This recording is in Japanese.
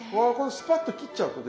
スパッと切っちゃうとね